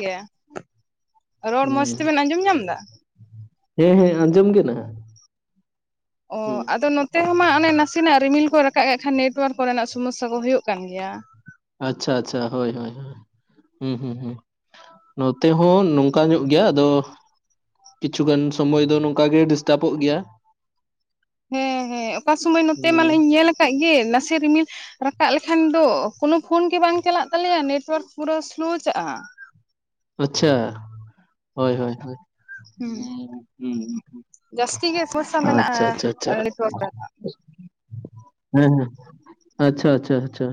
ᱜᱮᱭᱟ, ᱨᱚᱲ ᱢᱚᱸᱡᱽ ᱦᱩᱸ ᱛᱮ ᱵᱮᱱ ᱟᱸᱡᱚᱢ ᱧᱟᱢ ᱮᱫᱟ? ᱦᱮᱸ, ᱦᱮᱸ, ᱟᱸᱡᱚᱢ ᱠᱟᱱᱟ᱾ ᱚ ᱟᱫᱚ ᱱᱚᱛᱮ ᱦᱚᱸ ᱢᱟ ᱚᱱᱮ ᱱᱟᱥᱮ ᱱᱟᱜ ᱨᱤᱢᱤᱞ ᱠᱚ ᱨᱟᱠᱟᱵ ᱮᱫ ᱠᱷᱟᱱ, ᱱᱮᱴᱣᱟᱨ ᱠᱚᱨᱮ ᱱᱟᱜ ᱥᱚᱢᱚᱥ ᱥᱟ ᱠᱚ ᱦᱳᱭᱳᱜ ᱠᱟᱱ ᱜᱮᱭᱟ᱾ ᱟᱪᱪᱷᱟ, ᱟᱪᱪᱷᱟ, ᱦᱳᱭ, ᱦᱳᱭ, ᱦᱳᱭ᱾ ᱦᱩᱸ, ᱦᱩᱸ, ᱦᱩᱸ, ᱱᱚᱛᱮ ᱦᱚᱸ ᱱᱚᱝᱠᱟ ᱧᱚᱜ ᱜᱮᱭᱟ᱾ ᱟᱫᱚ ᱠᱤᱪᱷᱩ ᱜᱟᱱ ᱥᱚᱢᱚᱭ ᱫᱚ ᱱᱚᱝ ᱠᱟᱜ ᱜᱮᱭ ᱰᱤᱥ ᱴᱟᱵᱚᱜ ᱮᱫ ᱜᱮᱭᱟ᱾ ᱦᱮᱸ ᱦᱮᱸ, ᱚᱠᱟ ᱥᱩᱢᱚᱭ ᱱᱚᱛᱮ ᱦᱩᱸ ᱢᱟᱱᱮᱧ ᱧᱮᱞ ᱟᱠᱟᱫ ᱜᱮ, ᱱᱟᱥᱮ ᱨᱤᱢᱤᱞ ᱨᱟᱠᱟᱵ ᱞᱮᱠᱷᱟᱱ ᱫᱚ ᱠᱳᱱᱳ ᱯᱷᱳᱱ ᱜᱮ ᱵᱟᱝ ᱪᱟᱞᱟᱜ ᱛᱟᱞᱮᱼᱟ, ᱱᱮᱴᱣᱟᱨ ᱯᱩᱨᱟᱹ ᱥᱳᱞᱳ ᱪᱟᱜᱼᱟ᱾ ᱟᱪᱪᱷᱟ, ᱦᱳᱭ, ᱦᱳᱭ᱾ ᱦᱩᱸ ᱡᱟᱹᱥᱛᱤ ᱜᱮ ᱥᱚᱢᱚᱥᱥᱟ ᱢᱮᱱᱟᱜᱼᱟ᱾ ᱟᱪᱪᱷᱟ, ᱟᱪᱪᱷᱟ, ᱟᱪᱪᱷᱟ᱾ [inaudible] ᱱᱮᱴᱣᱟᱨᱠ ᱦᱮᱸ ᱦᱮᱸ, ᱟᱪᱪᱷᱟ, ᱟᱪᱪᱷᱟ, ᱟᱪᱪᱷᱟ,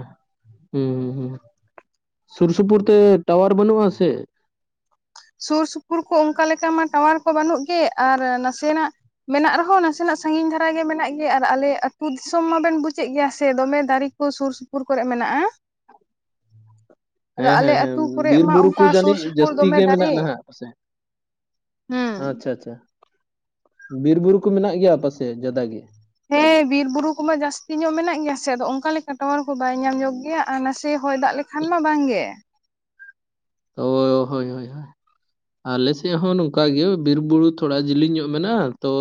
ᱦᱩᱸ ᱦᱩᱸ ᱦᱩᱸ᱾ ᱥᱩᱨ ᱥᱩᱯᱩᱨ ᱛᱮ ᱴᱟᱣᱟᱨ ᱵᱟᱹᱱᱩᱜᱼᱟ ᱥᱮ? ᱥᱩᱨ ᱥᱩᱯᱩᱨ ᱨᱮ ᱚᱱᱠᱟ ᱞᱮᱠᱟ ᱢᱟ ᱴᱟᱣᱟᱨ ᱠᱚ ᱵᱟᱹᱱᱩᱜ ᱜᱮ ᱟᱨ ᱱᱟᱥᱮ ᱱᱟᱜ ᱢᱮᱱᱟᱜ ᱨᱮ ᱦᱚᱸ ᱱᱟᱥᱮ ᱱᱟᱜ ᱥᱟᱸᱜᱤᱧ ᱫᱷᱟᱨᱟ ᱜᱮ ᱢᱮᱱᱟᱜ ᱜᱮᱭᱟ ᱟᱨ ᱟᱞᱮ ᱟᱹᱛᱩ ᱫᱤᱥᱚᱢ ᱢᱟ ᱵᱮᱱ ᱵᱩᱡ ᱮᱫ ᱜᱮᱭᱟ ᱥᱮ ᱫᱚᱢᱮ ᱫᱟᱨᱮ ᱚᱱᱟ ᱥᱩᱨ ᱥᱩᱯᱩᱨ ᱠᱚᱨᱮ ᱢᱮᱱᱟᱜᱼᱟ᱾ ᱟᱫᱚ ᱦᱮᱸ ᱟᱞᱮ ᱦᱮᱸ ᱦᱮᱸ, ᱟᱹᱛᱩ ᱠᱚᱨᱮᱜ ᱢᱟ ᱵᱤᱨ-ᱵᱩᱨᱩ ᱠᱚ ᱚᱱᱠᱟ ᱥᱩᱨ ᱡᱟᱹᱱᱤᱡ ᱥᱩᱯᱩᱨ ᱡᱟᱹᱥᱛᱤ ᱫᱚᱢᱮ ᱜᱮ ᱛᱤᱱᱟᱹᱜ ᱫᱟᱨᱮ ᱢᱮᱱᱟᱜ ᱯᱟᱥᱮᱪ? ᱦᱩᱸ ᱟᱪᱪᱷᱟ, ᱟᱪᱪᱷᱟ, ᱵᱤᱨ ᱵᱩᱨᱩ ᱠᱚ ᱢᱮᱱᱟᱜ ᱜᱮᱭᱟ, ᱟᱯᱮ ᱥᱮᱫ ᱡᱟᱫᱟ ᱜᱮ? ᱦᱮᱸ ᱵᱤᱨ ᱵᱩᱨᱩ ᱠᱚᱢᱟ ᱡᱟᱹᱥᱛᱤ ᱧᱚᱜ ᱢᱮᱱᱟᱜ ᱜᱮᱭᱟ ᱥᱮ ᱟᱫᱚ ᱚᱱᱠᱟ ᱞᱮᱠᱟ ᱴᱟᱣᱟᱨ ᱠᱚ ᱵᱟᱭ ᱧᱟᱢ ᱧᱚᱜ ᱜᱮᱭᱟ᱾ ᱟᱨ ᱱᱟᱥᱮ ᱦᱚᱭ ᱫᱟᱜ ᱞᱮᱠᱷᱟᱱ ᱢᱟ ᱵᱟᱝ ᱜᱮ᱾ ᱚ ᱦᱳᱭ ᱦᱳᱜᱼᱟ᱾ ᱟᱞᱮ ᱥᱮᱫ ᱦᱚᱸ ᱱᱚᱝᱠᱟ ᱜᱮ ᱵᱤᱨ ᱵᱩᱨᱩ ᱛᱷᱚᱲᱟ ᱡᱮᱞᱮᱧ ᱧᱚᱜ ᱢᱮᱱᱟᱜᱼᱟ ᱛᱚ᱾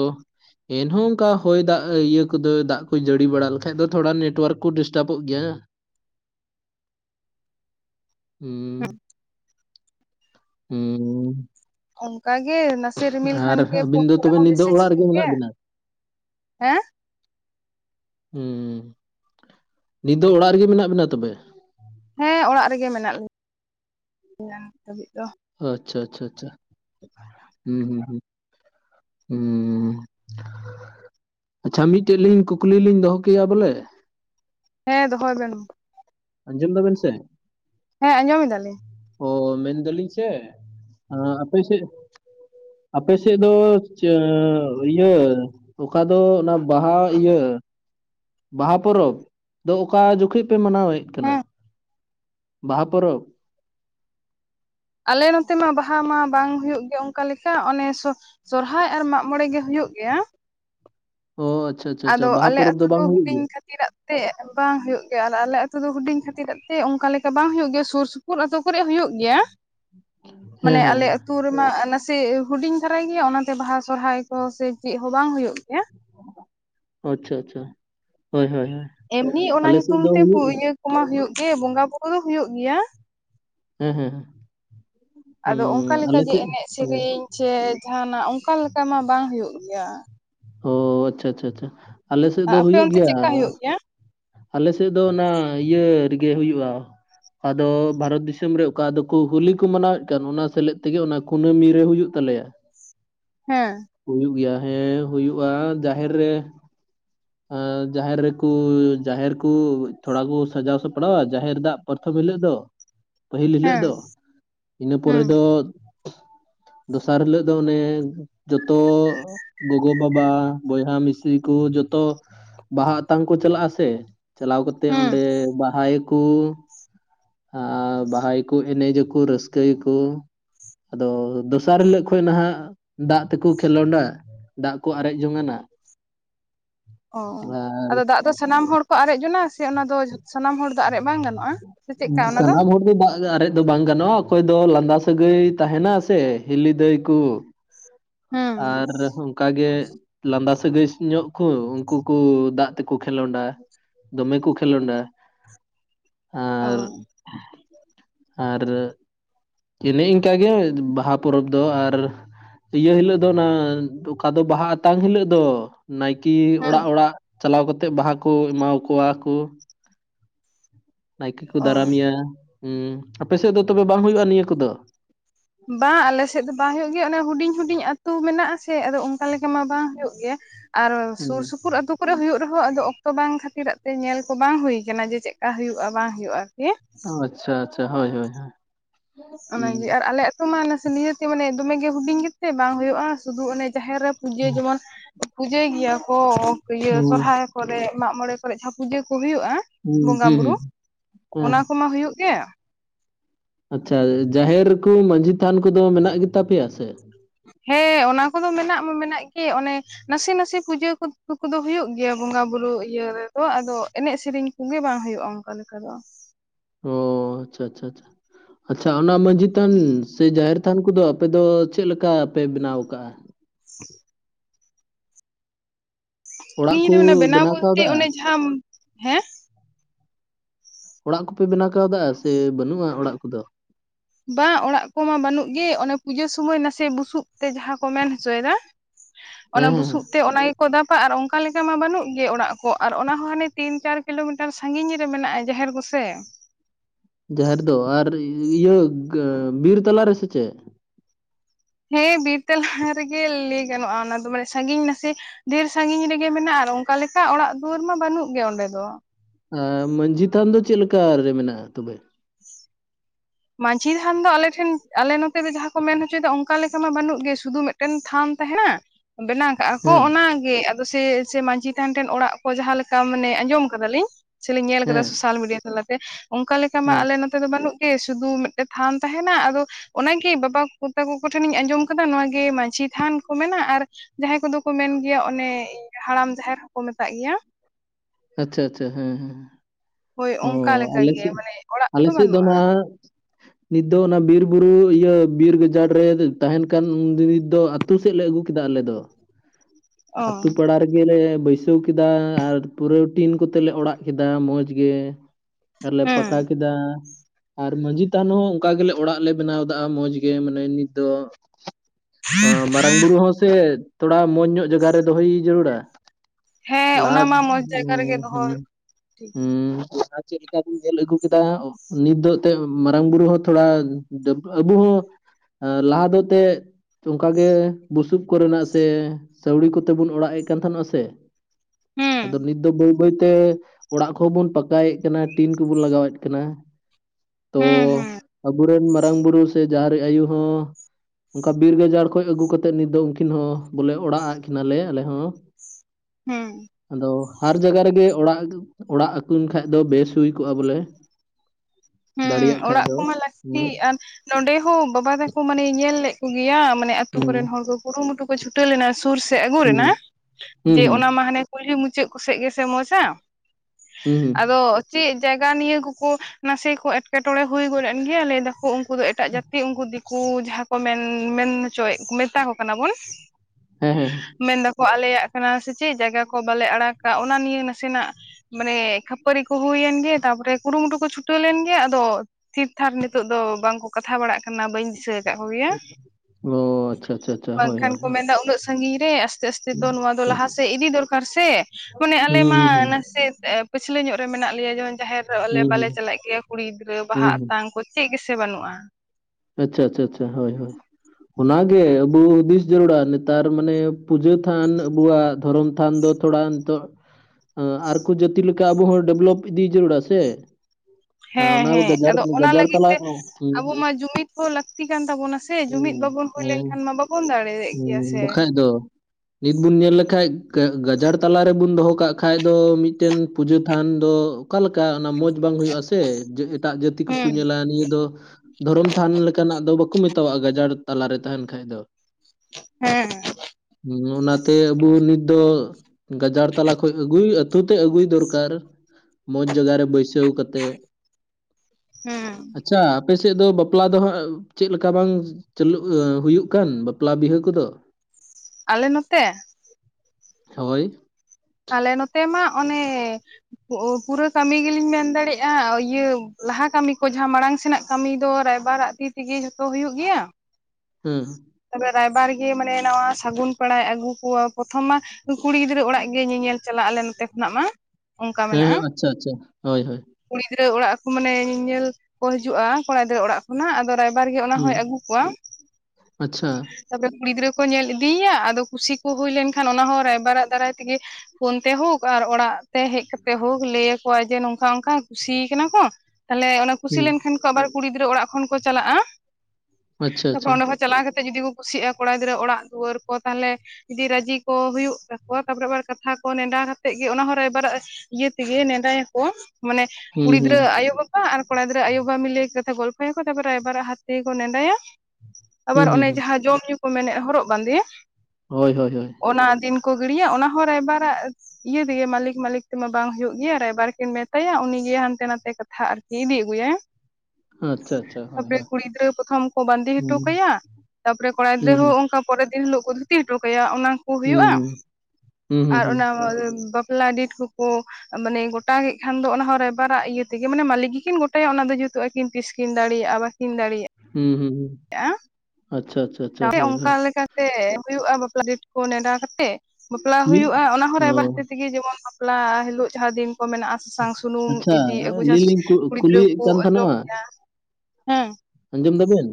ᱮᱱᱦᱚᱸ ᱚᱱᱠᱟ ᱦᱚᱭ ᱫᱟᱜ ᱤᱭᱟᱹ ᱠᱚᱫᱚ ᱫᱟᱜ ᱠᱚ ᱡᱟᱹᱲᱤ ᱵᱟᱲᱟ ᱞᱮᱠᱷᱟᱡ ᱫᱚ ᱛᱷᱚᱲᱟ ᱱᱮᱴᱚᱣᱟᱨᱠ ᱠᱚ ᱰᱤᱥᱴᱟᱵᱚᱜ ᱜᱮᱭᱟ᱾ ᱦᱩᱸ᱾ ᱦᱩᱸ᱾ ᱚᱱᱠᱟ ᱜᱮ ᱱᱟᱥᱮ ᱨᱤᱢᱤᱞ ᱟᱨ ᱠᱷᱟᱱ ᱜᱮ ᱟᱹᱵᱤᱱ ᱯᱷᱳᱱ ᱫᱚ ᱠᱚᱨᱮ ᱛᱚᱵᱮ ᱦᱚᱸ ᱱᱤᱛ ᱫᱚ ᱢᱮᱥᱮᱡ ᱚᱲᱟᱜ ᱨᱮᱜᱮ ᱦᱤᱡᱩᱜ ᱢᱮᱱᱟᱜ ᱜᱮᱭᱟ᱾ ᱵᱤᱱᱟ ᱦᱮᱸ? ᱦᱩᱸ ᱱᱤᱛ ᱫᱚ ᱚᱲᱟᱜ ᱨᱮᱜᱮ ᱢᱮᱱᱟᱜ ᱵᱮᱱᱟ ᱛᱚᱵᱮ? ᱦᱮᱸ ᱚᱲᱟᱜ ᱨᱮᱜᱮ ᱢᱮᱱᱟᱜ ᱞᱤᱧᱟᱹ᱾ ᱫᱷᱟᱹᱵᱤᱡ ᱫᱚ ᱟᱪᱪᱷᱟ, ᱟᱪᱪᱷᱟ, ᱟᱪᱪᱷᱟ, ᱦᱩᱸ ᱦᱩᱸ ᱦᱩᱸ᱾ ᱦᱩᱸ ᱟᱪᱪᱷᱟ, ᱢᱤᱫᱴᱮᱱ ᱞᱤᱧ ᱠᱩᱠᱞᱤ ᱞᱤᱧ ᱫᱚᱦᱚ ᱠᱮᱭᱟ ᱵᱚᱞᱮ ᱦᱮᱸ ᱫᱚᱦᱚᱭ ᱵᱮᱱ ᱢᱟ᱾ ᱟᱸᱡᱚᱢ ᱫᱟᱵᱮᱱ ᱥᱮ? ᱦᱮᱸ ᱟᱸᱡᱚᱢ ᱮᱫᱟᱞᱤᱧ᱾ ᱚ ᱢᱮᱱ ᱫᱟᱹᱞᱤᱧ ᱡᱮ ᱟᱯᱮ ᱥᱮᱜ ᱟᱯᱮᱥᱮᱫ ᱫᱚ ᱤᱭᱟᱹ ᱚᱠᱟ ᱫᱚ ᱚᱱᱟ ᱵᱟᱦᱟ ᱤᱭᱟᱹ ᱵᱟᱦᱟ ᱯᱚᱨᱚᱵᱽ ᱫᱚ ᱚᱠᱟ ᱡᱚᱠᱷᱮᱡ ᱯᱮ ᱢᱟᱱᱟᱣᱮᱫ ᱠᱟᱱᱟ? ᱦᱮᱸ ᱵᱟᱦᱟ ᱯᱚᱨᱚᱵᱽ ᱟᱞᱮ ᱱᱚᱛᱮ ᱢᱟ ᱵᱟᱦᱟ ᱢᱟ ᱵᱟᱝ ᱦᱩᱭᱩᱜ ᱜᱮᱭᱟ ᱚᱱᱠᱟ ᱞᱮᱠᱟ ᱚᱱᱮ ᱥᱚᱨᱦᱟᱭ ᱟᱨ ᱢᱟᱜᱽ ᱢᱚᱸᱬᱮ ᱜᱮ ᱦᱩᱭᱩᱜ ᱜᱮᱭᱟ᱾ [unintelligible] ᱟᱫᱚ ᱵᱟᱦᱟ ᱟᱞᱮ ᱯᱚᱨᱚᱵᱽ ᱟᱛᱩ ᱫᱚ ᱵᱟᱝ ᱦᱩᱭᱩᱜ ᱦᱩᱰᱤᱧ ᱜᱮᱭᱟ ᱠᱷᱟᱹᱛᱤᱨᱟᱜ ᱛᱮ ᱵᱟᱝ ᱦᱩᱭᱩᱜ ᱜᱮᱭᱟ, ᱟᱨ ᱟᱞᱮ ᱟᱹᱛᱩ ᱫᱚ ᱦᱩᱰᱤᱧ ᱠᱷᱟᱹᱛᱤᱨ ᱛᱮ ᱚᱱᱠᱟ ᱞᱮᱠᱟ ᱵᱟᱝ ᱦᱩᱭᱩᱜ ᱜᱮᱭᱟ ᱥᱩᱨ ᱥᱩᱯᱩᱨ ᱟᱹᱛᱩ ᱠᱚᱨᱮ ᱦᱩᱭᱩᱜ ᱜᱮᱭᱟ᱾ ᱜᱮᱭᱟ ᱦᱮᱸ ᱢᱟᱱᱮ ᱦᱮᱸ ᱟᱞᱮ ᱦᱮᱸ ᱟᱛᱩ ᱟᱹᱛᱩ ᱨᱮᱢᱟ ᱱᱟᱥᱮ ᱦᱩᱰᱤᱧ ᱫᱷᱟᱨᱟᱭ ᱜᱮᱭᱟ, ᱚᱱᱟᱛᱮ ᱵᱟᱦᱟ ᱥᱚᱨᱦᱟᱭ ᱠᱚ ᱥᱮ ᱪᱮᱫ ᱦᱚᱸ ᱵᱟᱝ ᱦᱩᱭᱩᱜ ᱜᱮᱭᱟ᱾ ᱟᱪᱪᱷᱟ ᱟᱪᱪᱷᱟ ᱦᱳᱭ ᱦᱳᱭ ᱦᱳᱭ᱾ ᱮᱢᱱᱤ ᱚᱱᱟ ᱟᱞᱮ ᱥᱮᱫ ᱧᱩᱛᱩᱢ ᱫᱚ ᱛᱮ ᱦᱩᱭᱩᱜᱼᱟ ᱤᱭᱟᱹ ᱠᱚᱢᱟ ᱦᱳᱭᱳᱜ ᱜᱮ, ᱵᱚᱸᱜᱟ ᱵᱩᱨᱩ ᱫᱚ ᱦᱳᱭᱳᱜ ᱜᱮᱭᱟ᱾ ᱦᱮᱸ ᱦᱮᱸ ᱦᱮᱸ᱾ ᱟᱫᱚ ᱚᱱᱠᱟ ᱦᱩᱸ ᱞᱮᱠᱟ ᱟᱞᱮ ᱡᱮ ᱥᱮᱫ ᱮᱱᱮᱡ ᱦᱩᱸ ᱥᱮᱨᱮᱧ ᱥᱮ ᱡᱟᱦᱟᱱᱟᱜ ᱚᱱᱠᱟ ᱞᱮᱠᱟ ᱢᱟ ᱵᱟᱝ ᱦᱩᱭᱩᱜ ᱜᱮᱭᱟ᱾ ᱚ ᱟᱪᱪᱷᱟ ᱟᱪᱪᱷᱟ ᱟᱪᱪᱷᱟ, ᱟᱞᱮᱥᱮᱫ ᱫᱚ ᱟᱯᱮ ᱦᱩᱭᱩᱜ ᱚᱱᱛᱮ ᱜᱮᱭᱟ᱾ ᱪᱮᱫᱠᱟ ᱦᱩᱭᱩᱜ ᱜᱮᱭᱟ ᱟᱞᱮᱥᱮᱜ ᱫᱚ ᱚᱱᱟ ᱤᱭᱟᱹ ᱨᱮᱜᱮ ᱦᱩᱭᱩᱜᱼᱟ᱾ ᱟᱫᱚ ᱵᱷᱟᱨᱚᱛ ᱫᱤᱥᱚᱢ ᱨᱮ ᱚᱠᱟ ᱫᱚᱠᱚ ᱦᱳᱞᱤ ᱠᱚ ᱢᱟᱱᱟᱣᱮᱫ ᱠᱟᱱ ᱚᱱᱟ ᱥᱮᱞᱮᱫ ᱛᱮᱜᱮ ᱚᱱᱟ ᱠᱩᱱᱟᱹᱢᱤ ᱨᱮ ᱦᱩᱭᱩᱜ ᱛᱟᱞᱮᱭᱟ᱾ ᱦᱮᱸ, ᱦᱩᱭᱩᱜ ᱜᱮᱭᱟ ᱦᱮᱸ ᱦᱩᱭᱩᱜᱼᱟ ᱡᱟᱦᱮᱨ ᱨᱮ, ᱡᱟᱦᱮᱨ ᱨᱮᱠᱚ ᱡᱟᱦᱮᱨ ᱠᱚ ᱛᱷᱚᱲᱟ ᱠᱚ ᱥᱟᱡᱟᱣ ᱥᱟᱯᱲᱟᱣᱟ ᱡᱟᱦᱮᱨ ᱫᱟᱜ ᱯᱨᱚᱛᱷᱚᱢ ᱦᱤᱞᱳᱜ ᱫᱚ᱾ ᱯᱟᱹᱦᱤᱞ ᱦᱤᱞᱳᱜ ᱦᱮᱸ ᱫᱚ ᱤᱱᱟᱹ ᱯᱚᱨᱮ ᱦᱩᱸ ᱫᱚ ᱫᱚᱥᱟᱨ ᱦᱤᱞᱳᱜ ᱫᱚ ᱚᱱᱮ ᱡᱚᱛᱚ ᱜᱚᱜᱚ ᱵᱟᱵᱟ ᱵᱚᱭᱦᱟ ᱢᱤᱥᱤ ᱠᱚ ᱡᱚᱛᱚ ᱵᱟᱦᱟ ᱟᱛᱟᱝ ᱠᱚ ᱪᱟᱞᱟᱜᱼᱟ ᱥᱮ ᱪᱟᱞᱟᱣ ᱠᱟᱛᱮᱜ ᱦᱩᱸ ᱚᱸᱰᱮ ᱵᱟᱦᱟᱭᱟ ᱠᱚ᱾ ᱟᱨ ᱵᱟᱦᱟᱭᱟᱠᱚ ᱮᱱᱮᱡ ᱟᱠᱚ ᱨᱟᱹᱥᱠᱟᱹᱭ ᱟᱠᱚ᱾ ᱟᱫᱚ ᱫᱚᱥᱟᱨ ᱦᱤᱞᱳᱜ ᱠᱷᱚᱱ ᱱᱟᱦᱟᱜ ᱫᱟᱜ ᱛᱮᱠᱚ ᱠᱷᱮᱞᱳᱰᱟ᱾ ᱫᱟᱜ ᱠᱚ ᱟᱨᱮᱡ ᱡᱚᱝᱟᱱᱟ᱾ ᱚ ᱟᱨ ᱟᱫᱚ ᱫᱟᱜ ᱫᱚ ᱥᱟᱱᱟᱢ ᱦᱚᱲ ᱠᱚ ᱟᱨᱮᱡ ᱡᱚᱱᱟ ᱥᱮ ᱚᱱᱟ ᱫᱚ ᱡᱚᱛᱚ ᱥᱟᱱᱟᱢ ᱦᱚᱲ ᱫᱚ ᱟᱨᱮᱡ ᱵᱟᱝ ᱜᱟᱱᱚᱜᱼᱟ ᱥᱮ ᱪᱮᱫᱠᱟ ᱚᱱᱟ ᱫᱚ? ᱥᱟᱱᱟᱢ ᱦᱚᱲ ᱫᱟᱜ ᱟᱨᱮᱡ ᱫᱚ ᱵᱟᱝ ᱜᱟᱱᱚᱜᱼᱟ, ᱚᱠᱚᱭ ᱫᱚ ᱞᱟᱸᱱᱫᱟ ᱥᱟᱹᱜᱟᱹᱭ ᱛᱟᱦᱮᱱᱟ ᱥᱮ ᱦᱤᱞᱤ ᱫᱟᱹᱭ ᱠᱚ ᱟᱨ ᱚᱱ ᱚᱠᱟ ᱜᱮ ᱞᱟᱸᱫᱟ ᱥᱟᱹᱜᱟᱹᱭ ᱧᱚᱜ ᱠᱚ ᱩᱱᱠᱩ ᱠᱚ ᱫᱟᱜ ᱛᱮᱠᱚ ᱠᱷᱮᱞᱳᱰᱟ᱾ ᱫᱚᱢᱮ ᱠᱚ ᱠᱷᱮᱞᱳᱰᱟ᱾ ᱟᱨ ᱚ ᱟᱨ ᱮᱱᱮ ᱤᱱᱠᱟᱜᱮ ᱵᱟᱦᱟ ᱯᱚᱨᱚᱵᱽ ᱫᱚ ᱟᱨ ᱤᱭᱟᱹ ᱦᱤᱞᱳᱜ ᱫᱚ ᱚᱱᱟ ᱚᱠᱟ ᱫᱚ ᱵᱟᱦᱟ ᱟᱛᱟᱝ ᱦᱤᱞᱳᱜ ᱫᱚ ᱱᱟᱭᱠᱮ ᱚᱲᱟᱜ ᱚᱲᱟᱜ ᱪᱟᱞᱟᱣ ᱠᱟᱛᱮᱜ ᱵᱟᱦᱟ ᱠᱚ ᱮᱢᱟᱣ ᱠᱚᱣᱟ ᱠᱚ᱾ ᱱᱟᱭᱠᱮ ᱠᱚ ᱚ ᱫᱟᱨᱟᱢᱮᱭᱟ ᱩᱸ, ᱟᱯᱮ ᱥᱮᱜ ᱫᱚ ᱛᱚᱵᱮ ᱵᱟᱝ ᱦᱩᱭᱩᱜᱼᱟ ᱱᱤᱭᱟᱹ ᱠᱚᱫᱚ? ᱵᱟᱝ ᱟᱞᱮ ᱥᱮᱫ ᱫᱚ ᱵᱟᱝ ᱦᱩᱭᱩᱜ ᱜᱮᱭᱟ, ᱚᱱᱮ ᱦᱩᱰᱤᱧ ᱦᱩᱰᱤᱧ ᱟᱹᱛᱩ ᱢᱮᱱᱟᱜᱼᱟ ᱥᱮ ᱟᱫᱚ ᱚᱱᱠᱟ ᱞᱮᱠᱟ ᱢᱟ ᱵᱟᱝ ᱦᱩᱭᱩᱜ ᱜᱮᱭᱟ᱾ ᱟᱨ ᱦᱩᱸ ᱥᱩᱨ ᱥᱩᱯᱩᱨ ᱟᱹᱛᱩ ᱠᱚᱨᱮ ᱦᱩᱭᱩᱜ ᱨᱮᱦᱚᱸ, ᱟᱫᱚ ᱚᱠᱛᱚ ᱵᱟᱝ ᱠᱷᱟᱹᱛᱤᱨᱟᱜ ᱛᱮ ᱧᱮᱞ ᱠᱚ ᱵᱟᱝ ᱦᱩᱭ ᱠᱟᱱᱟ ᱡᱮ ᱪᱮᱫᱠᱟ ᱦᱩᱭᱩᱜᱼᱟ ᱵᱟᱝ ᱦᱩᱭᱩᱜᱼᱟ᱾ ᱟᱨᱠᱤ ᱟᱪᱪᱷᱟ, ᱟᱪᱪᱷᱟ, ᱦᱳᱭ, ᱦᱳᱭ, ᱦᱳᱭ᱾ ᱦᱩᱸ ᱚᱱᱟᱜᱮ, ᱟᱨ ᱟᱞᱮ ᱟᱛᱩ ᱢᱟ ᱱᱟᱥᱮ ᱱᱤᱭᱟᱹᱛᱮ ᱢᱟᱱᱮ ᱫᱚᱢᱮ ᱜᱮ ᱦᱩᱰᱤᱧ ᱜᱮ ᱛᱮ ᱵᱟᱝ ᱦᱩᱭᱩᱜᱼᱟ, ᱥᱩᱫᱷᱩ ᱚᱱᱮ ᱡᱟᱦᱮᱨ ᱨᱮ ᱯᱩᱡᱟᱹ ᱡᱮᱢᱚᱱ ᱯᱩᱡᱟᱹᱭ ᱜᱮᱭᱟ ᱠᱚ ᱤᱭᱟᱹ ᱦᱩᱸ ᱥᱚᱨᱦᱟᱭ ᱠᱚᱨᱮ, ᱢᱟᱜᱢᱬᱮ ᱠᱚᱨᱮ ᱡᱟᱦᱟᱸ ᱯᱩᱡᱟᱹ ᱠᱚ ᱦᱩᱭᱩᱜᱼᱟ ᱦᱩᱸ ᱵᱚᱸᱜᱟ ᱦᱩᱸ ᱵᱩᱨᱩ, ᱦᱩᱸ ᱦᱮᱸ ᱚᱱᱟ ᱠᱚᱢᱟ ᱦᱩᱭᱩᱜ ᱜᱮ᱾ ᱟᱪᱪᱷᱟ ᱡᱟᱦᱮᱨ ᱠᱚ ᱢᱟᱹᱡᱷᱤ ᱛᱷᱟᱱ ᱠᱚᱫᱚ ᱢᱮᱱᱟᱜ ᱜᱮᱛᱟ ᱯᱮᱭᱟ ᱥᱮ? ᱦᱮᱸ ᱚᱱᱟ ᱠᱚᱫᱚ ᱢᱮᱱᱟᱜ ᱢᱟ ᱢᱮᱱᱟᱜ ᱜᱮ ᱚᱱᱮ ᱱᱟᱥᱮ ᱱᱟᱥᱮ ᱯᱩᱡᱟᱹ ᱠᱚ [inaudible] ᱠᱚᱫᱚ ᱦᱩᱭᱩᱜ ᱜᱮᱭᱟ ᱵᱚᱸᱜᱟ ᱵᱩᱨᱩ ᱤᱭᱟᱹ ᱨᱮᱫᱚ, ᱟᱫᱚ ᱮᱱᱮᱡ ᱥᱮᱨᱮᱧ ᱠᱩᱜᱮ ᱵᱟᱝ ᱦᱩᱭᱩᱜᱼᱟ ᱚᱝᱠᱟ ᱞᱮᱠᱟ ᱫᱚ᱾ ᱚ ᱟᱪᱪᱷᱟ ᱟᱪᱪᱷᱟ ᱟᱪᱪᱷᱟ, ᱟᱪᱪᱷᱟ ᱚᱱᱟ ᱢᱟᱺᱡᱷᱤ ᱛᱷᱟᱱ ᱥᱮ ᱡᱟᱦᱮᱨ ᱛᱷᱟᱱ ᱠᱚᱫᱚ ᱟᱯᱮ ᱫᱚ ᱪᱮᱫ ᱞᱮᱠᱟ ᱯᱮ ᱵᱮᱱᱟᱣ ᱟᱠᱟᱜᱼᱟ? [inaudible] ᱚᱲᱟᱜ ᱤᱧ ᱨᱮ ᱠᱚ ᱢᱟᱱᱮ ᱵᱮᱱᱟᱣ ᱵᱚᱞᱛᱮ ᱠᱟᱣᱫᱟ ᱚᱱᱮ ᱡᱟᱦᱟᱸᱢ, ᱦᱮᱸ? ᱚᱲᱟᱜ ᱠᱚᱯᱮ ᱵᱮᱱᱟᱣ ᱠᱟᱣᱫᱟ ᱥᱮ ᱵᱟᱹᱱᱩᱜᱼᱟ ᱚᱲᱟᱜ ᱠᱚᱫᱚ? ᱵᱟᱝ ᱚᱲᱟᱜ ᱠᱚᱢᱟ ᱵᱟᱹᱱᱩᱜ ᱜᱮ ᱚᱱᱮ ᱯᱩᱡᱟᱹ ᱥᱩᱢᱚᱭ ᱱᱟᱥᱮ ᱵᱩᱥᱩᱵ ᱛᱮ ᱡᱟᱦᱟᱸ ᱠᱚ ᱢᱮᱱ ᱦᱚᱪᱚᱭᱮᱫᱟ, ᱦᱮᱸ ᱚᱱᱟ ᱦᱮᱸ ᱦᱮᱸ ᱵᱩᱥᱩᱵ ᱛᱮ ᱚᱱᱟ ᱜᱮᱠᱚ ᱫᱟᱯᱟ ᱟᱨ ᱚᱝᱠᱟ ᱞᱮᱠᱟ ᱢᱟ ᱵᱟᱹᱱᱩᱜ ᱜᱮ ᱚᱲᱟᱜ ᱠᱚ ᱟᱨ ᱚᱱᱟ ᱦᱚᱸ ᱦᱟᱱᱮ ᱛᱤᱱ ᱪᱟᱨ ᱠᱤᱞᱳᱢᱤᱴᱟᱨ ᱥᱟᱺᱜᱤᱧ ᱨᱮ ᱢᱮᱱᱟᱜᱼᱟ ᱡᱟᱦᱮᱨ ᱠᱚ ᱥᱮ᱾ ᱡᱟᱦᱮᱨ ᱫᱚ ᱟᱨ ᱤᱭᱟᱹ ᱵᱤᱨ ᱛᱟᱞᱟ ᱨᱮ ᱥᱮ ᱪᱮᱫ? ᱦᱮᱸ ᱵᱤᱨ ᱛᱟᱞᱟ ᱨᱮᱜᱮ ᱞᱟᱹᱭ ᱜᱟᱱᱚᱜᱼᱟ ᱚᱱᱟ ᱫᱚ, ᱢᱟᱱᱮ ᱥᱟᱺᱜᱤᱧ ᱱᱟᱥᱮ ᱰᱷᱮᱨ ᱥᱟᱺᱜᱤᱧ ᱨᱮᱜᱮ ᱢᱮᱱᱟᱜᱼᱟ ᱟᱨ ᱚᱝᱠᱟ ᱞᱮᱠᱟ ᱚᱲᱟᱜ ᱫᱩᱣᱟᱹᱨ ᱢᱟ ᱵᱟᱹᱱᱩᱜ ᱜᱮ ᱚᱸᱰᱮ ᱫᱚ᱾ ᱟᱸ ᱢᱟᱺᱡᱷᱤ ᱛᱷᱟᱱ ᱫᱚ ᱪᱮᱫ ᱞᱮᱠᱟ ᱨᱮ ᱢᱮᱱᱟᱜᱼᱟ ᱛᱚᱵᱮ? ᱢᱟᱺᱡᱷᱤ ᱛᱷᱟᱱ ᱫᱚ ᱟᱯᱮ ᱴᱷᱮᱱ ᱟᱞᱮ ᱱᱚᱛᱮ ᱨᱮ ᱡᱟᱦᱟᱸ ᱠᱚ ᱢᱮᱱ ᱦᱚᱪᱚᱭᱮᱫᱟ ᱚᱝ ᱠᱟ ᱞᱮᱠᱟ ᱢᱟ ᱵᱟᱹᱱᱩᱜ ᱜᱮ ᱥᱩᱫᱷᱩ ᱢᱤᱫᱴᱮᱱ ᱛᱷᱟᱢ ᱛᱟᱦᱮᱸᱱᱟ, ᱵᱮᱱᱟᱣ ᱠᱟᱜᱼᱟ ᱠᱚ ᱦᱮᱸ ᱚᱱᱟ ᱜᱮ, ᱟᱫᱚ ᱥᱮ, ᱥᱮ ᱢᱟᱺᱡᱷᱤ ᱛᱷᱟᱱ ᱴᱷᱮᱱ ᱚᱲᱟᱜ ᱠᱚ ᱡᱟᱦᱟᱸ ᱞᱮᱠᱟ ᱢᱟᱱᱮ ᱟᱸᱡᱚᱢ ᱠᱟᱫᱟᱞᱤᱧ, ᱥᱮᱞᱤᱧ ᱧᱮᱞ ᱟᱠᱟᱫᱟ ᱦᱮᱸ ᱥᱳᱥᱟᱞ ᱢᱤᱰᱤᱭᱟ ᱛᱟᱞᱟᱛᱮ, ᱚᱝᱠᱟ ᱞᱮᱠᱟ ᱢᱟ ᱦᱮᱸ ᱟᱞᱮ ᱱᱚᱛᱮ ᱫᱚ ᱵᱟᱹᱱᱩᱜ ᱜᱮ ᱥᱩᱫᱩ ᱢᱤᱫᱴᱮᱡ ᱛᱷᱟᱱ ᱛᱟᱦᱮᱸᱱᱟ ᱟᱫᱚ ᱚᱱᱟ ᱜᱮ, ᱵᱟᱵᱟ ᱠᱚ ᱛᱟᱠᱚ ᱠᱚ ᱴᱷᱮᱱᱤᱧ ᱟᱸᱡᱚᱢ ᱠᱟᱫᱟ ᱱᱚᱣᱟ ᱜᱮ ᱢᱟᱺᱡᱷᱤ ᱛᱷᱟᱱ ᱠᱚ ᱢᱮᱱᱟᱜ ᱟᱨ ᱡᱟᱦᱟᱸᱭ ᱠᱚᱫᱚ ᱠᱚ ᱢᱮᱱ ᱜᱮᱭᱟ ᱚᱱᱮ ᱦᱟᱲᱟᱢ ᱡᱟᱦᱮᱨ ᱦᱚᱸ ᱠᱚ ᱢᱮᱛᱟᱜ ᱜᱮᱭᱟ ᱾ ᱟᱪᱪᱷᱟ, ᱟᱪᱪᱷᱟ ᱦᱮᱸ ᱦᱮᱸ ᱦᱮᱸ᱾ ᱦᱳᱭ ᱚ ᱚᱱᱠᱟ ᱞᱮᱠᱟ ᱟᱞᱮ ᱜᱮ ᱥᱮᱫ, ᱢᱟᱱᱮ ᱚᱲᱟᱜ ᱟᱞᱮ ᱠᱚᱫᱚ ᱥᱮᱫ ᱫᱚ ᱵᱟᱹᱱᱩᱜᱼᱟ ᱱᱚᱣᱟ ᱱᱤᱛ ᱫᱚ ᱚᱱᱟ ᱵᱤᱨ ᱵᱩᱨᱩ ᱤᱭᱟᱹ, ᱵᱤᱨ ᱜᱟᱡᱟᱲ ᱨᱮ ᱛᱟᱦᱮᱸᱱ ᱠᱟᱱ ᱱᱤᱛ ᱫᱚ ᱟᱛᱩ ᱥᱮᱫ ᱞᱮ ᱟᱜᱩ ᱠᱮᱫᱟ ᱟᱞᱮ ᱫᱚ᱾ ᱚ ᱟᱛᱩ ᱯᱟᱲᱟ ᱨᱮ ᱜᱮᱞᱮ ᱵᱟᱹᱭᱥᱟᱹᱣ ᱠᱮᱫᱟ ᱟᱨ ᱯᱩᱨᱟᱹ ᱴᱤᱱ ᱠᱚᱛᱮ ᱞᱮ ᱚᱲᱟᱜ ᱠᱮᱫᱟ ᱢᱚᱡᱽ ᱜᱮ᱾ ᱟᱨ ᱮᱞ ᱦᱮᱸ ᱯᱟᱛᱟᱣ ᱠᱮᱫᱟ᱾ ᱟᱨ ᱢᱟᱺᱡᱷᱤ ᱛᱷᱟᱱ ᱦᱚᱸ ᱚᱝᱠᱟ ᱜᱮᱞᱮ ᱚᱲᱟᱜ ᱞᱮ ᱵᱮᱱᱟᱣᱫᱟ ᱢᱚᱸᱡᱽ ᱜᱮ ᱢᱟᱱᱮ ᱱᱤᱛ ᱫᱚ, ᱟᱸ ᱢᱟᱨᱟᱝ ᱵᱩᱨᱩ ᱦᱚᱸ ᱥᱮ ᱛᱷᱚᱲᱟ ᱢᱚᱸᱡᱽ ᱧᱚᱜ ᱡᱟᱭᱜᱟ ᱨᱮ ᱫᱚᱦᱚᱭ ᱡᱟᱹᱨᱩᱲᱟ᱾ ᱦᱮᱸ ᱚᱱᱟ ᱢᱟ ᱢᱚᱸᱡᱽ ᱡᱟᱭᱜᱟ ᱨᱮᱜᱮ [unintelligible] ᱫᱚᱦᱚ ᱦᱩᱸ, ᱞᱟᱹᱠᱛᱤ ᱜᱮ᱾ ᱦᱩᱸ [inaudible] ᱪᱮᱫ ᱞᱮᱠᱟ ᱵᱚᱱ ᱧᱮᱞ ᱟᱹᱜᱩ ᱠᱮᱫᱟ, [unintelligible] ᱢᱟᱨᱟᱝ ᱵᱩᱨᱩ ᱦᱚᱸ ᱛᱷᱚᱲᱟ, ᱟᱵᱩ ᱦᱚᱸ ᱟᱸ ᱞᱟᱦᱟ ᱫᱚ ᱛᱮ, ᱛᱚ ᱚᱝᱠᱟ ᱜᱮ ᱵᱩᱥᱩᱵ ᱠᱚ ᱨᱮᱱᱟᱜ ᱥᱮ ᱥᱟᱹᱣᱲᱤ ᱠᱚ ᱛᱮᱵᱚᱱ ᱚᱲᱟᱜ ᱮᱜ ᱠᱟᱱ ᱛᱟᱦᱮᱸᱱᱟ ᱥᱮ, ᱦᱩᱸ ᱟᱫᱚ ᱱᱤᱛ ᱫᱚ ᱵᱟᱹᱭ ᱵᱟᱹᱭᱛᱮ ᱚᱲᱟᱜ ᱠᱚᱦᱚᱸ ᱵᱚᱱ ᱯᱟᱠᱟᱭᱮᱜ ᱠᱟᱱᱟ, ᱴᱤᱱ ᱠᱚᱵᱚᱱ ᱞᱟᱜᱟᱣᱮᱫ ᱠᱟᱱᱟ, ᱛᱚ ᱦᱩᱸ ᱦᱩᱸ ᱟᱵᱚ ᱨᱮᱱ ᱢᱟᱨᱟᱝ ᱵᱩᱨᱩ ᱥᱮ ᱡᱟᱦᱮᱨ ᱟᱭᱳ ᱦᱚᱸ ᱚᱝᱠᱟ ᱵᱤᱨ ᱜᱟᱡᱟᱲ ᱠᱷᱚᱡ ᱟᱹᱜᱩ ᱠᱟᱛᱮᱫ ᱱᱤᱛ ᱫᱚ ᱩᱱᱠᱤᱱ ᱦᱚᱸ ᱵᱚᱞᱮ ᱚᱲᱟᱜ ᱠᱤᱱᱟ ᱞᱮ ᱟᱞᱮ ᱦᱚᱸ ᱦᱩᱸ ᱾ ᱟᱫᱚ ᱦᱟᱨ ᱡᱟᱜᱟ ᱨᱮᱜᱮ ᱚᱲᱟᱜ, ᱚᱲᱟᱜ ᱟᱹᱠᱤᱧ ᱠᱷᱟᱡ ᱫᱚ ᱵᱮᱥ ᱦᱩᱭ ᱠᱚᱜᱼᱟ ᱵᱚᱞᱮ᱾ ᱫᱟᱲᱮᱭᱟᱜ ᱦᱮᱸ ᱠᱷᱟᱡ ᱚᱲᱟᱜ ᱫᱚ ᱠᱚᱢᱟ ᱦᱩᱸ ᱞᱟᱹᱠᱛᱤᱜ ᱟᱨ ᱱᱚᱸᱰᱮ ᱦᱚᱸ ᱵᱟᱵᱟ ᱛᱟᱠᱚ ᱢᱟᱱᱮ ᱧᱮᱞ ᱞᱮᱫ ᱠᱚᱜᱮᱭᱟ ᱢᱟᱱᱮ ᱟᱹᱛᱩ ᱦᱩᱸ ᱠᱚᱨᱮᱱ ᱦᱚᱲ ᱠᱚ ᱠᱩᱨᱩ ᱢᱩᱴᱩ ᱠᱚ ᱪᱷᱩᱴᱟᱹᱣ ᱞᱮᱱᱟ ᱥᱩᱨ ᱥᱮᱫ ᱟᱹᱜᱩ ᱦᱩᱸ ᱨᱮᱱᱟᱜ ᱦᱩᱸ ᱡᱮ ᱦᱩᱸ ᱚᱱᱟ ᱢᱟ ᱦᱟᱱᱮᱼᱼ ᱠᱩᱞᱦᱤ ᱢᱩᱪᱟᱹᱫ ᱠᱚᱥᱮᱫ ᱜᱮ ᱥᱮ ᱦᱩᱸ [unintelligible] ᱦᱩᱸ ᱟᱫᱚ ᱪᱮᱫ ᱡᱟᱭᱜᱟ ᱱᱤᱭᱟᱹ ᱠᱚ ᱠᱚ ᱱᱟᱥᱮ ᱠᱚ ᱮᱴᱠᱮᱴᱚᱬᱮ ᱦᱩᱭ ᱜᱚᱫ ᱮᱱ ᱜᱮᱭᱟ ᱞᱟᱹᱭ ᱮᱫᱟ ᱠᱚ ᱩᱱ ᱠᱩ ᱫᱚ ᱮᱴᱟᱜ ᱡᱟᱹᱛᱤ ᱩᱱᱠᱩ ᱫᱤᱠᱩ ᱡᱟᱦᱟᱸ ᱠᱚ ᱢᱮᱱ ᱢᱮᱱ ᱦᱚᱪᱚᱭᱮᱫ ᱢᱮᱛᱟ ᱠᱚ ᱠᱟᱱᱟ ᱵᱚᱱ ᱾ ᱦᱮᱸ ᱦᱮᱸ ᱦᱮᱸᱻ ᱢᱮᱱ ᱫᱟᱠᱚ ᱟᱞᱮᱭᱟᱜ ᱠᱟᱱᱟ ᱥᱮ ᱪᱮᱫ ᱡᱟᱭᱜᱟ ᱠᱚ ᱵᱟᱞᱮ ᱟᱲᱟᱜᱟ ᱚᱱᱟ ᱱᱤᱭᱟᱹ ᱱᱟᱥᱮᱱᱟᱜ ᱢᱟᱱᱮ ᱠᱷᱟᱯᱟᱹᱨᱤ ᱠᱚ ᱦᱩᱭ ᱮᱱ ᱜᱮ ᱛᱟᱨᱯᱚᱨᱮ ᱠᱩᱨᱩ ᱢᱩᱴᱩ ᱠᱚ ᱪᱷᱩᱴᱟᱹᱣ ᱞᱮᱱ ᱜᱮ ᱟᱫᱚ ᱛᱷᱤᱨ ᱛᱷᱟᱨ ᱱᱤᱛᱚᱜ ᱫᱚ ᱵᱟᱝ ᱠᱚ ᱠᱟᱛᱷᱟ ᱵᱟᱲᱟᱜ ᱠᱟᱱᱟ ᱵᱟᱹᱧ ᱫᱤᱥᱟᱹ ᱠᱟᱜ ᱠᱚᱜᱮᱭᱟ ᱚ ᱟᱪᱪᱷᱟ ᱟᱪᱪᱷᱟ ᱟᱪᱪᱷᱟ ᱵᱟᱝ ᱦᱳᱭ ᱠᱷᱟᱱ ᱦᱳᱭ ᱠᱚ ᱦᱳᱭ ᱢᱮᱱᱫᱟ ᱩᱱᱟᱹᱜ ᱥᱟᱺᱜᱤᱧ ᱨᱮ ᱟᱥᱛᱮ ᱟᱥᱛᱮ ᱥᱤᱛᱚ ᱱᱚᱣᱟ ᱫᱚ ᱞᱟᱦᱟ ᱥᱮᱫ ᱤᱫᱤ ᱫᱚᱨᱠᱟᱨ ᱥᱮ ᱢᱟᱱᱮ ᱟᱞᱮ ᱢᱟ ᱦᱩᱸ, ᱦᱩᱸ, ᱱᱟᱥᱮ ᱯᱟᱹᱪᱷᱞᱟᱹ ᱧᱚᱜ ᱨᱮ ᱢᱮᱱᱟᱜ ᱞᱮᱭᱟ ᱡᱮᱢᱚᱱ ᱡᱟᱦᱮᱨ ᱨᱮ ᱟᱞᱮ ᱦᱩᱸ, ᱵᱟᱞᱮ ᱦᱩᱸ, ᱪᱟᱞᱟᱜ ᱜᱮᱭᱟ ᱠᱩᱲᱤ ᱜᱤᱫᱽᱨᱟᱹ ᱵᱟᱦᱟ ᱦᱩᱸ, ᱟᱛᱟᱝ ᱦᱩᱸ, ᱛᱟᱝ ᱠᱚ ᱪᱮᱫ ᱜᱮ ᱥᱮ ᱵᱟᱹᱱᱩᱜᱼᱟ ᱾ ᱟᱪᱪᱷᱟ ᱟᱪᱪᱷᱟ ᱟᱪᱪᱷᱟ ᱦᱚᱭ ᱦᱚᱭ ᱚᱱᱟ ᱜᱮ ᱟᱵᱚ ᱦᱩᱫᱤᱥ ᱡᱟᱹᱨᱩᱲᱟ ᱱᱮᱛᱟᱨ ᱢᱟᱱᱮ ᱯᱩᱡᱟᱹ ᱛᱷᱟᱱ ᱟᱵᱚᱣᱟᱜ ᱫᱷᱚᱨᱚᱢ ᱛᱷᱟᱱ ᱫᱚ ᱛᱷᱚᱲᱟ ᱛᱚ ᱟᱨ ᱠᱚ ᱡᱟᱹᱛᱤ ᱞᱮᱠᱟ ᱟᱵᱚ ᱦᱚᱸ ᱰᱮᱵᱷᱞᱚᱯ ᱤᱫᱤ ᱡᱟᱹᱨᱩᱲᱟ ᱥᱮ ᱾ ᱦᱮᱸ ᱚᱱᱟ ᱠᱚ ᱜᱟᱡᱟᱲ ᱟᱫᱚ ᱚᱱᱟ ᱜᱟᱡᱟᱲ ᱞᱟᱹᱜᱤᱫ ᱛᱟᱞᱟ ᱛᱮ ᱟᱵᱚ [unintelligible] ᱢᱟ ᱡᱩᱢᱤᱫ ᱦᱚᱸ ᱞᱟᱹᱠᱛᱤ ᱠᱟᱱ ᱛᱟᱵᱚᱱᱟ ᱥᱮ ᱡᱩᱢᱤᱫ ᱦᱩᱸ, ᱵᱟᱵᱚᱱ ᱦᱩᱭ ᱦᱮᱸ, ᱞᱮᱱᱠᱷᱟᱱ ᱢᱟ ᱵᱟᱵᱚᱱ ᱫᱟᱲᱮᱭᱟᱜ ᱜᱮᱭᱟ ᱦᱩᱸ, ᱥᱮ ᱾ ᱵᱟᱠᱷᱟᱡ ᱫᱚ ᱱᱤᱛ ᱵᱚᱱ ᱧᱮᱞ ᱞᱮᱠᱷᱟᱡ ᱜᱟ ᱜᱟᱡᱟᱲ ᱛᱟᱞᱟ ᱨᱮᱵᱚᱱ ᱫᱚᱦᱚ ᱠᱟᱜ ᱠᱷᱟᱡ ᱫᱚ ᱢᱤᱫ ᱴᱮᱱ ᱯᱩᱡᱟᱹ ᱛᱷᱟᱱ ᱫᱚ ᱚᱠᱟ ᱞᱮᱠᱟ ᱚᱱᱟ ᱢᱚᱡᱽ ᱵᱟᱝ ᱦᱩᱭᱩᱜᱼᱟ ᱥᱮ ᱮᱴᱟᱜ ᱡᱟᱹᱛᱤ ᱠᱚ ᱠᱚ ᱦᱩᱸ ᱧᱮᱞᱟ ᱱᱤᱭᱟᱹ ᱫᱚ ᱫᱷᱚᱨᱚᱢ ᱛᱷᱟᱱ ᱞᱮᱠᱟᱱᱟᱜ ᱫᱚ ᱵᱟᱠᱚ ᱢᱮᱛᱟᱣᱟᱜᱼᱟ ᱜᱟᱡᱟᱲ ᱛᱟᱞᱟ ᱨᱮ ᱛᱟᱦᱮᱸᱱ ᱠᱷᱟᱡ ᱫᱚ ᱾ ᱦᱮᱸᱻ ᱦᱮᱸ ᱚᱱᱟ ᱛᱮ ᱟᱵᱚ ᱱᱤᱛ ᱫᱚ ᱜᱟᱡᱟᱲ ᱛᱟᱞᱟ ᱠᱷᱚᱡ ᱟᱹᱜᱩᱭ ᱟᱹᱛᱩ ᱛᱮ ᱟᱹᱜᱩᱭ ᱫᱚᱨᱠᱟᱨ ᱾ ᱢᱚᱡᱽ ᱡᱟᱜᱟ ᱨᱮ ᱵᱟᱹᱭᱥᱟᱹᱣ ᱠᱟᱛᱮ ᱾ ᱦᱩᱸᱻ ᱟᱪᱪᱷᱟ ᱟᱯᱮ ᱥᱮᱫ ᱫᱚ ᱵᱟᱯᱞᱟ ᱫᱚ ᱦᱟᱸᱜ ᱪᱮᱫ ᱞᱮᱠᱟ ᱵᱟᱝ ᱪᱟᱹᱞᱩᱜ ᱦᱩᱭᱩᱜ ᱠᱟᱱ ᱵᱟᱯᱞᱟ ᱵᱤᱦᱟᱹ ᱠᱚ ᱫᱚ? ᱟᱞᱮ ᱱᱚᱛᱮ ᱾ ᱦᱚᱭ ᱾ ᱟᱞᱮ ᱱᱚᱛᱮ ᱢᱟ ᱚᱱᱮ ᱯᱩᱨᱟᱹ ᱠᱟᱹᱢᱤ ᱜᱤᱞᱤᱧ ᱢᱮᱱ ᱫᱟᱲᱭᱟᱜᱼᱟ ᱤᱭᱟᱹ ᱞᱟᱦᱟ ᱠᱟᱹᱢᱤ ᱠᱚ ᱡᱟᱦᱟᱸ ᱢᱟᱲᱟᱝ ᱥᱮᱱᱟᱜ ᱠᱟᱹᱢᱤ ᱫᱚ ᱨᱟᱭᱵᱟᱨᱟᱜ ᱛᱤ ᱛᱮᱜᱮ ᱡᱷᱚᱛᱚ ᱦᱩᱭᱩᱜ ᱜᱮᱭᱟ ᱾ ᱦᱩᱸᱻ ᱛᱚᱵᱮ ᱨᱟᱭᱵᱟᱨ ᱜᱮ ᱢᱟᱱᱮ ᱱᱟᱣᱟ ᱥᱟᱹᱜᱩᱱ ᱯᱮᱲᱟᱭ ᱟᱹᱜᱩ ᱠᱚᱣᱟ ᱯᱨᱚᱛᱷᱚᱢ ᱢᱟ ᱠᱩᱲᱤ ᱜᱤᱫᱽᱨᱟᱹ ᱚᱲᱟᱜ ᱜᱮ ᱧᱮᱧᱮᱞ ᱪᱟᱞᱟᱜ ᱟᱞᱮ ᱱᱚᱛᱮ ᱠᱷᱚᱱᱟᱜ ᱢᱟ ᱾ ᱦᱮᱸ ᱦᱮᱸ ᱟᱪᱪᱷᱟ ᱟᱪᱪᱷᱟ ᱦᱚᱭ ᱦᱚᱭ ᱾ ᱠᱩᱲᱤ ᱜᱤᱫᱽᱨᱟᱹ ᱚᱲᱟᱜ ᱠᱚ ᱢᱟᱱᱮ ᱧᱮᱧᱮᱞ ᱠᱚ ᱦᱤᱡᱩᱜᱼᱟ ᱠᱚᱲᱟ ᱜᱤᱫᱽᱨᱟᱹ ᱚᱲᱟᱜ ᱠᱷᱚᱱᱟᱜ ᱟᱫᱚ ᱨᱟᱭᱵᱟᱨ ᱜᱮ ᱚᱱᱟ ᱦᱩᱸ ᱦᱚᱸᱭ ᱟᱹᱜᱩ ᱠᱚᱣᱟ ᱟᱪᱪᱷᱟ ᱾ ᱛᱟᱨᱯᱚᱨᱮ ᱠᱩᱲᱤ ᱜᱤᱫᱽᱨᱟᱹ ᱠᱚ ᱧᱮᱞ ᱤᱫᱤᱭᱮᱭᱟ ᱟᱫᱚ ᱠᱩᱥᱤ ᱠᱚ ᱦᱩᱭ ᱞᱮᱱᱠᱷᱟᱱ ᱚᱱᱟ ᱦᱚᱸ ᱨᱟᱭᱵᱟᱨᱟᱜ ᱫᱟᱨᱟᱭ ᱛᱮ ᱜᱮ ᱯᱷᱳᱱ ᱛᱮ ᱦᱳᱠ ᱟᱨ ᱚᱲᱟᱜ ᱛᱮ ᱦᱮᱡ ᱠᱟᱛᱮ ᱦᱳᱠ ᱞᱟᱹᱭ ᱟᱠᱚᱣᱟᱭ ᱡᱮ ᱱᱚᱝᱠᱟ ᱚᱱᱠᱟ ᱠᱩᱥᱤ ᱟᱠᱟᱱᱟ ᱠᱚ ᱾ ᱛᱟᱦᱞᱮ ᱚᱱᱟ ᱠᱩᱥᱤ ᱦᱩᱸ ᱞᱮᱱ ᱠᱷᱟᱱ ᱠᱚ ᱟᱵᱟᱨ ᱠᱩᱲᱤ ᱜᱤᱫᱽᱨᱟᱹ ᱚᱲᱟᱜ ᱠᱷᱚᱱ ᱠᱚ ᱪᱟᱞᱟᱜᱼᱟ ᱛᱟᱨ ᱯᱚᱨᱮ ᱚᱸᱰᱮ ᱠᱷᱚᱡ ᱪᱟᱞᱟᱣ ᱠᱟᱛᱮ ᱡᱩᱫᱤ ᱠᱚ ᱠᱩᱥᱤᱜᱼᱟ ᱠᱚᱲᱟ ᱜᱤᱫᱽᱨᱟᱹ ᱚᱲᱟᱜ ᱫᱩᱣᱟᱹᱨ ᱠᱚ ᱛᱟᱦᱞᱮ ᱡᱩᱫᱤ ᱨᱟᱹᱡᱤ ᱠᱚ ᱦᱩᱭᱩᱜ ᱛᱟᱠᱚᱣᱟ ᱛᱟᱨ ᱯᱚᱨᱮ ᱟᱵᱟᱨ ᱠᱟᱛᱷᱟ ᱠᱚ ᱱᱮᱰᱟ ᱠᱟᱛᱮᱫ ᱜᱮ ᱚᱱᱟ ᱦᱚᱸ ᱨᱟᱭᱵᱟᱨᱟᱜ ᱤᱭᱟᱹ ᱛᱮ ᱜᱮ ᱱᱮᱰᱟᱭᱟᱠᱚ ᱾ ᱢᱟᱱᱮ ᱠᱩᱲᱤ ᱜᱤᱫᱽᱨᱟᱹ ᱟᱭᱳ ᱵ ᱟᱨ ᱠᱚᱲᱟ ᱜᱤᱫᱽᱨᱟᱹ ᱟᱭᱳ ᱵᱟᱵᱟ ᱢᱤᱞᱟᱹᱭᱟ ᱠᱟᱛᱷᱟ ᱜᱚᱞᱯᱷᱚᱭ ᱟᱠᱚ, ᱛᱟᱨ ᱯᱚᱨᱮ ᱨᱟᱭᱵᱟᱨᱟᱜ ᱦᱟᱛ ᱛᱮ ᱜᱮ ᱠᱚ ᱱᱮᱰᱟᱭᱟ᱾ ᱟᱵᱟᱨ ᱚᱱᱮ ᱡᱟᱦᱟᱸ, ᱡᱚᱢ ᱧᱩ ᱠᱚ ᱢᱮᱱᱮᱫᱼᱟ ᱦᱚᱨᱚᱜ ᱵᱟᱸᱫᱮ᱾ ᱦᱚᱭ ᱦᱚᱭ, ᱦᱚᱭ ᱚᱱᱟ ᱫᱤᱱ ᱠᱚ ᱜᱤᱲᱤᱭᱟ, ᱚᱱᱟᱦᱚᱸ ᱨᱟᱭᱵᱟᱨᱟᱜ ᱤᱭᱟᱹ ᱫᱤᱭᱟ ᱢᱟᱹᱞᱤᱠ ᱢᱟᱹᱞᱤᱠ ᱛᱮᱢᱟ ᱵᱟᱝ ᱦᱩᱭᱩᱜ ᱜᱮᱭᱟ, ᱨᱟᱭᱵᱟᱨ ᱠᱤᱱ ᱢᱮᱛᱟᱭᱟ ᱩᱱᱤᱜᱮ ᱦᱟᱱᱛᱮ ᱱᱟᱛᱮ ᱠᱟᱛᱷᱟ ᱟᱨ ᱤᱻᱫᱤ ᱟᱹᱜᱩᱭᱟᱭ ᱟᱪᱪᱷᱟ, ᱛᱟᱯᱚᱨᱮ ᱠᱩᱲᱤ ᱜᱤᱫᱽᱨᱟᱹ ᱯᱨᱚᱛᱷᱚᱢ ᱠᱚ ᱵᱟᱸᱫᱮ ᱦᱚᱴᱚ ᱠᱟᱭᱟ, ᱛᱟᱯᱚᱨᱮ ᱠᱚᱲᱟ ᱜᱤᱫᱽᱨᱟᱹ ᱦᱚᱸ ᱚᱝᱠᱟ ᱯᱚᱨᱮ ᱫᱤᱱ ᱦᱤᱞᱳᱜ ᱠᱚ ᱫᱷᱩᱛᱤ ᱦᱚᱴᱚ ᱠᱟᱭᱟ ᱚᱱᱟ ᱠᱚ ᱦᱩᱭᱩᱜᱼᱟ ᱦᱩᱸ ᱦᱩᱸ ᱟᱨ ᱚᱱᱟᱻ ᱵᱟᱯᱞᱟ ᱰᱮᱴ ᱠᱩᱠᱩ ᱢᱟᱱᱮ ᱜᱚᱴᱟ ᱠᱮᱜ ᱠᱷᱟᱱ ᱫᱚ, ᱚᱱᱟ ᱦᱚᱸ ᱨᱟᱭᱵᱟᱨᱟᱜ ᱤᱭᱟᱹ ᱛᱮᱜᱮ, ᱢᱟᱱᱮ ᱢᱟᱹᱞᱤᱠ ᱜᱮᱠᱤᱱ ᱜᱚᱴᱟᱭᱟ ᱚᱱᱟ ᱫᱚ ᱡᱩᱛᱩᱜᱼᱟ ᱟᱹᱠᱤᱱ ᱛᱤᱥᱠᱤᱱ ᱫᱟᱲᱮᱭᱟᱜᱼᱟ᱾ ᱠᱤᱱ ᱫᱟᱲᱮᱭᱟᱜ ᱦᱩᱸ ᱦᱩᱸ ᱦᱩᱸ, ᱮᱸ [unintelligible] ᱚᱝᱠᱟ ᱦᱳᱭ᱾ ᱞᱮᱠᱟ ᱮᱻ ᱦᱩᱭᱩᱜᱼᱟ ᱵᱟᱯᱞᱟ ᱰᱮᱴ ᱠᱚ ᱱᱮᱰᱟ ᱠᱟᱛᱮᱜ, ᱵᱟᱯᱞᱟ ᱢᱤᱫ ᱦᱩᱭᱩᱜᱼᱟ ᱚᱱᱟ ᱦᱚᱸ ᱚ ᱨᱟᱵᱟᱨ ᱛᱤ ᱛᱤᱜᱤ ᱡᱮᱢᱚᱱ ᱵᱟᱯᱞᱟ ᱦᱤᱞᱳᱜ ᱡᱟᱦᱟᱸ ᱫᱤᱱ ᱠᱚ ᱢᱮᱱᱟᱜᱼᱟ᱾ ᱥᱟᱥᱟᱝ ᱥᱩᱱᱩᱢ ᱟᱪᱪᱷᱟ ᱤᱫᱤ ᱟᱹᱜᱩ, ᱡᱟᱦᱟᱸ ᱟᱹᱞᱤᱧ ᱞᱤᱧ ᱠᱩ ᱠᱩᱲᱤ ᱜᱤᱫᱽᱨᱟᱹ ᱠᱩᱞᱤᱭᱮᱫ ᱠᱚ ᱠᱟᱱ ᱚᱡᱚᱜ ᱛᱟᱦᱮᱱᱚᱜᱼᱟ, ᱜᱮᱭᱟ ᱦᱮᱸ, ᱟᱸᱡᱚᱢ ᱫᱟᱵᱮᱱ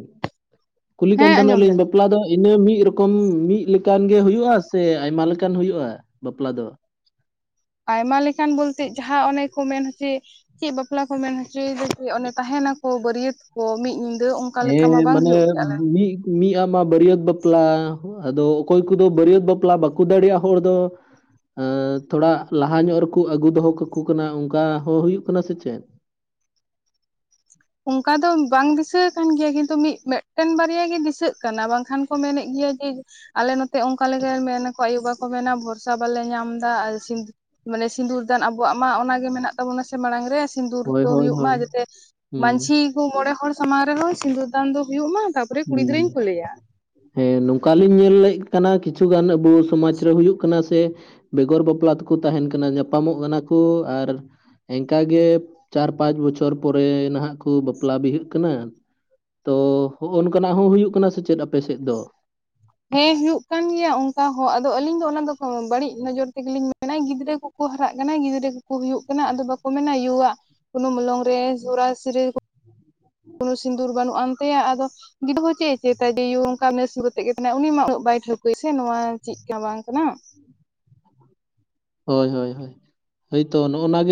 ᱠᱩᱞᱤ ᱠᱟᱱ ᱦᱮᱸ ᱛᱟᱦᱮᱱᱟ ᱟᱸᱡᱚᱢ ᱞᱤᱧ ᱫᱟᱞᱤᱧ ᱵᱟ ᱵᱟᱯᱞᱟ ᱫᱚ ᱤᱱᱟᱹ ᱢᱤᱫ ᱨᱚᱠᱚᱢ, ᱢᱤᱫ ᱞᱮᱠᱟᱱ ᱜᱮ ᱦᱩᱭᱩᱜᱼᱟ, ᱥᱮ ᱟᱭᱢᱟ ᱞᱮᱠᱟᱱ ᱦᱩᱭᱩᱜᱼᱟ ᱵᱟᱯᱞᱟ ᱫᱚ? ᱟᱭᱢᱟ ᱞᱮᱠᱟᱱ ᱵᱚᱞᱛᱮ, ᱡᱟᱦᱟᱸ ᱚᱱᱮ ᱠᱚ ᱢᱮᱱ ᱦᱚᱪᱭᱮ ᱪᱮᱫ ᱵᱟᱯᱞᱟ ᱠᱚ ᱢᱮᱱ ᱦᱚᱪᱚᱭᱮᱫᱟ ᱠᱤ ᱚᱱᱮ ᱛᱟᱦᱮᱱᱟᱠᱚ ᱵᱟᱹᱨᱭᱟᱹᱛ ᱠᱚ ᱢᱤᱫ ᱧᱤ ᱦᱮᱸ ᱢᱟᱱᱮ ᱢᱤᱫ ᱢᱤᱫ ᱟᱢᱟ ᱵᱟᱹᱨᱭᱟᱹᱛ ᱵᱟᱯᱞᱟ᱾ ᱟᱫᱚ ᱚᱠᱚᱭ ᱠᱚᱫᱚ ᱵᱟᱹᱨᱭᱟᱹᱛ ᱵᱟᱯᱞᱟ ᱵᱟᱠᱩ ᱫᱟᱲᱮᱭᱟᱜᱼᱟ ᱦᱚᱲ ᱫᱚ ᱟᱸ ᱛᱷᱚᱲᱟ ᱞᱟᱦᱟ ᱧᱚᱜ ᱨᱮᱠᱚ ᱟᱹᱜᱩ ᱫᱚᱦᱚ ᱠᱟᱠᱚ ᱠᱟᱱᱟ, ᱚᱝᱠᱟ ᱦᱚᱸ ᱦᱩᱭᱩᱜ ᱠᱟᱱᱟ ᱥᱮ ᱪᱮᱫ? ᱚᱝᱠᱟ ᱫᱚ ᱵᱟᱝ ᱫᱤᱥᱟᱹ ᱟᱠᱟᱱᱟ ᱜᱮᱭᱟ, ᱠᱤᱱᱛᱩ ᱢᱤᱜ ᱢᱮᱫᱴᱮᱱ ᱵᱟᱨᱭᱟ ᱜᱮ ᱫᱤᱥᱟᱹᱜ ᱠᱟᱱᱟ ᱵᱟᱝᱠᱷᱟᱱ ᱠᱚ ᱢᱮᱱᱮᱜ ᱜᱮᱭᱟ ᱡᱮ ᱟᱞᱮ ᱱᱚᱛᱮ ᱚᱝᱠᱟᱞ ᱢᱮᱱ ᱟᱠᱚ ᱟᱹᱭᱩ ᱵᱟ ᱠᱚ ᱢᱮᱱᱟ ᱵᱷᱚᱨᱥᱟ ᱵᱟᱞᱮ ᱧᱟᱢᱫᱟ ᱟᱨ ᱥᱤᱢ ᱢᱟᱱᱮ ᱥᱤᱸᱫᱩᱨ ᱫᱟᱱ ᱟᱵᱚᱣᱟᱜ ᱢᱟ ᱚᱱᱟᱜᱮ ᱢᱮᱱᱟᱜ ᱛᱟᱵᱚᱱᱟ ᱥᱮ ᱢᱟᱲᱟᱝ ᱨᱮ᱾ ᱥᱤᱸᱫᱩᱨ ᱦᱳᱭ ᱫᱚ ᱦᱳᱭ ᱦᱩᱭᱩᱜ ᱢᱟ, ᱦᱳᱭ ᱡᱟᱛᱮ ᱦᱩᱸ ᱢᱟᱧᱡᱷᱤ ᱠᱚ ᱢᱚᱬᱮ ᱦᱚᱲ ᱥᱟᱢᱟᱝ ᱨᱮᱦᱚᱸ ᱥᱤᱸᱫᱩᱨ ᱫᱟᱱ ᱫᱚ ᱦᱩᱭᱩᱜ ᱢᱟ ᱛᱟᱯ ᱯᱚᱨᱮ ᱠᱩᱲᱤ ᱦᱩᱸ ᱜᱤᱫᱽᱨᱟᱹᱧ ᱠᱩᱞᱮᱭᱟ᱾ ᱦᱮᱸ ᱱᱚᱝᱠᱟᱞᱤᱧ ᱧᱮᱞᱮᱜ ᱠᱟᱱᱟ ᱠᱤᱪᱷᱩ ᱜᱟᱱ, ᱟᱵᱩ ᱥᱚᱢᱟᱡᱽ ᱨᱮ ᱦᱩᱭᱩᱜ ᱠᱟᱱᱟ ᱥᱮ ᱵᱮᱜᱚᱨ ᱵᱟᱯᱞᱟ ᱛᱮᱠᱚ ᱛᱟᱦᱮᱱ ᱠᱟᱱᱟ᱾ ᱧᱟᱯᱟᱢᱚᱜ ᱱᱟᱠᱚ ᱟᱨ ᱮᱝᱠᱟ ᱜᱮ ᱪᱟᱨ ᱯᱟᱸᱪ ᱵᱚᱪᱷᱚᱨ ᱯᱚᱨᱮ ᱱᱷᱟᱜ ᱠᱩ ᱵᱟᱯᱞᱟ ᱵᱤᱦᱟᱹᱜ ᱠᱟᱱᱟ᱾ ᱛᱚ ᱦᱚᱜᱼᱚ ᱱᱚᱠᱟᱱᱟᱜ ᱦᱚᱸ ᱦᱩᱭᱩᱜ ᱠᱟᱱᱟ ᱥᱮ ᱪᱮᱫ ᱟᱯᱮ ᱥᱮᱫ ᱫᱚ? ᱦᱮᱸ ᱦᱩᱭᱩᱜ ᱠᱟᱱ ᱜᱮᱭᱟ ᱚᱝᱠᱟ ᱦᱚᱸ, ᱟᱫᱚ ᱟᱹᱞᱤᱧ ᱫᱚ ᱚᱱᱟ ᱫᱚ ᱵᱟᱹᱲᱤᱡ ᱱᱚᱡᱚᱨ ᱛᱮᱜᱮᱞᱤᱧ ᱢᱮᱱᱟ ᱜᱤᱫᱽᱨᱟᱹ ᱠᱚ ᱠᱚ ᱦᱟᱨᱟᱜ ᱠᱟᱱᱟ ᱜᱤᱫᱽᱨᱟᱹ ᱠᱚᱠᱚ ᱦᱩᱭᱩᱜ ᱠᱟᱱᱟ, ᱟᱫᱚ ᱵᱟᱠᱚ ᱢᱮᱱᱟ ᱭᱩᱣᱟ ᱠᱚᱱᱚ ᱢᱚᱞᱚᱝ ᱨᱮ ᱥᱚᱨᱟᱥᱤ ᱨᱮ ᱠᱚᱱᱚ ᱥᱤᱸᱫᱩᱨ ᱵᱟᱹᱱᱩᱜᱼᱟᱱ ᱛᱟᱭᱟ, ᱟᱫᱚ ᱜᱤᱰᱩ ᱦᱚᱸ ᱪᱮᱫ ᱮ ᱪᱮᱫᱟ ᱭᱮ ᱭᱩ ᱚᱝᱠᱟ ᱥᱩᱨᱟᱛᱮᱜ ᱜᱮ ᱢᱮᱱᱟᱭ ᱩᱱᱤ ᱢᱟ ᱱᱟᱹᱜ ᱵᱟᱭ ᱴᱷᱟᱹᱣᱠᱟᱹᱭᱟ ᱥᱮ ᱱᱚᱣᱟ ᱪᱮᱫ ᱠᱟᱱᱟ ᱵᱟᱝ ᱠᱟᱱᱟ᱾ ᱦᱚᱭ ᱦᱚᱭ ᱦᱚᱭ, ᱦᱚᱭᱛᱚ ᱱᱚᱜᱼᱱᱟ ᱜᱮ